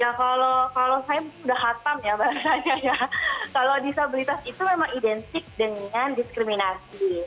ya kalau saya sudah hatam ya bahasanya ya kalau disabilitas itu memang identik dengan diskriminasi